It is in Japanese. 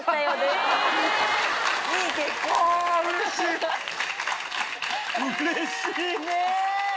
うれしい！ねぇ！